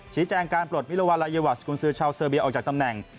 ชี้แจงการปลดมิลวาลัยวาสกุญซือชาวเซอร์เบียออกจากตำแหน่ง